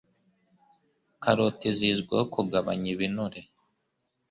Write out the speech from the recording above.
Karoti zizwiho kugabanya ibinure